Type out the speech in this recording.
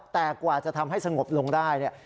แต่กว่าจะทำให้สงบลงได้เนี่ย